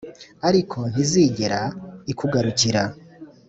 ariko ntizigera ikugarukira.